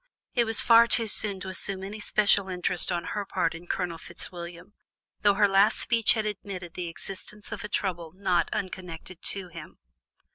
It was far too soon to assume any special interest on her part in Colonel Fitzwilliam, though her last speech had admitted the existence of a trouble not unconnected to him.